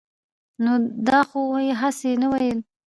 نو دا خو يې هسې نه وييل -